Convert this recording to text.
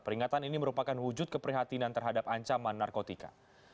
peringatan ini merupakan wujud keprihatinan terhadap ancaman narkotika